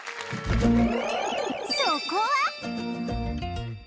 そこは